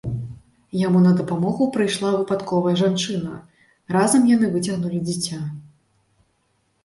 Яму на дапамогу прыйшла выпадковая жанчына, разам яны выцягнулі дзіця.